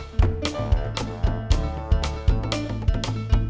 mudah mudahan tidak diikutin